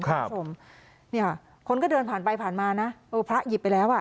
คุณผู้ชมเนี่ยค่ะคนก็เดินผ่านไปผ่านมานะเออพระหยิบไปแล้วอ่ะ